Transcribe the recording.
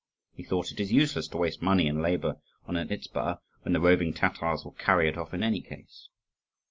He thought, "It is useless to waste money and labour on an izba, when the roving Tatars will carry it off in any case."